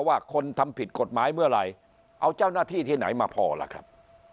ว่าคนทำผิดกฎหมายเมื่อไหร่เอาเจ้าหน้าที่ที่ไหนมาพอล่ะครับ